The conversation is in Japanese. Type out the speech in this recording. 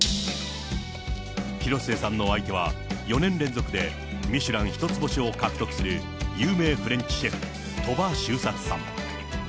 広末さんの相手は、４年連続でミシュラン１つ星を獲得する有名フレンチシェフ、鳥羽周作さん。